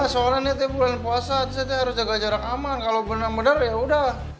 bah soalnya ini tuh bulan puasa t t harus jaga jarak aman kalau benar benar ya udah